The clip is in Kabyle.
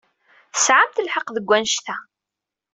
Tesɛamt lḥeqq deg wanect-a.